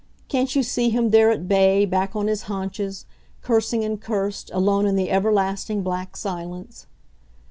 Can't you see him there, at bay, back on his haunches, cursing and cursed, alone in the everlasting black silence?